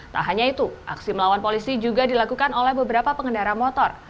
tak hanya itu aksi melawan polisi juga dilakukan oleh beberapa pengendara motor